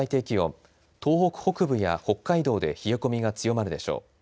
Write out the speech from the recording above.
気温東北北部や北海道で冷え込みが強まるでしょう。